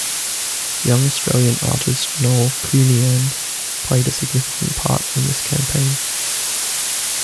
Young Australian artist Noel Counihan played a significant part in this campaign.